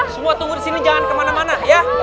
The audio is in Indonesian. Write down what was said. semua tunggu di sini jangan kemana mana ya